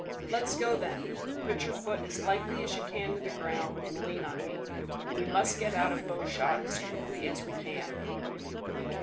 "Let's go, then. Put your foot as lightly as you can to the ground, and lean on me. We must get out of bowshot as quickly as we can."